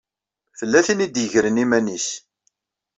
Tella tin i d-igren iman-is.